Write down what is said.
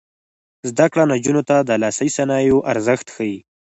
زده کړه نجونو ته د لاسي صنایعو ارزښت ښيي.